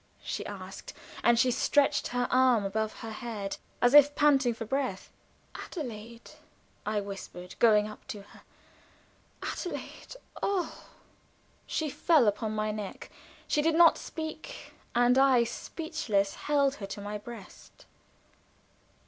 she asked, and she stretched her arms above her head, as if panting for breath. "Adelaide!" I whispered, going up to her; "Adelaide oh!" She fell upon my neck. She did not speak, and I, speechless, held her to my breast.